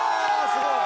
すごい！